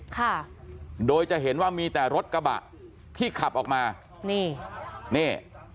ค่ะโดยจะเห็นว่ามีแต่รถกระบะที่ขับออกมานี่นี่